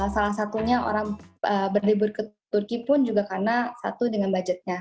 salah satunya orang berlibur ke turki pun juga karena satu dengan budgetnya